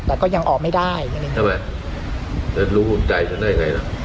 แต่ก็ยังออกไม่ได้ทำไมแล้วรู้ใจฉันได้ยังไงน่ะ